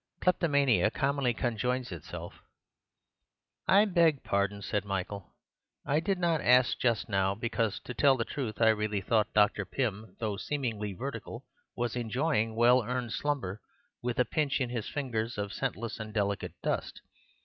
Kleptomania commonly con joins itself—" "I beg pardon," said Michael; "I did not ask just now because, to tell the truth, I really thought Dr. Pym, though seemingly vertical, was enjoying well earned slumber, with a pinch in his fingers of scentless and delicate dust.